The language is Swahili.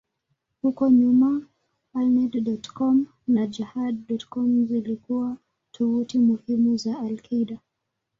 Huko nyuma, Alneda.com na Jehad.net zilikuwa tovuti muhimu zaidi za al-Qaeda.